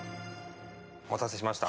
お待たせしました。